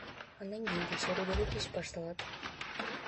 Андан кийин текшерүү келип, иш башталат.